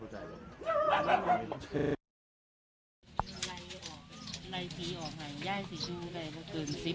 คุณสังเงียมต้องตายแล้วคุณสังเงียม